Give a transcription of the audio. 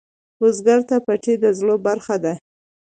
بزګر ته پټی د زړۀ برخه ده